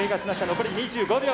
残り２５秒。